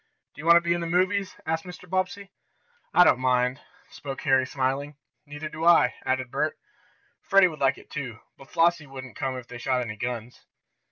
"Do you want to be in the movies?" asked Mr. Bobbsey. "I don't mind," spoke Harry, smiling. "Neither do I," added Bert. "Freddie would like it, too, but Flossie wouldn't come if they shot any guns."